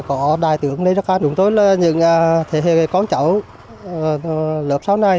có đại tưởng lê đức anh chúng tôi là những thế hệ con cháu lập sau này